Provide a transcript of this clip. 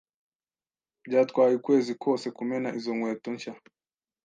Byatwaye ukwezi kose kumena izo nkweto nshya.